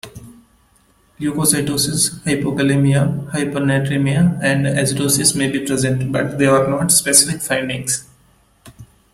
Leukocytosis, hypokalemia, hypernatremia, and acidosis may be present, but they are not specific findings.